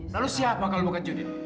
lalu siapa kalau bukan judit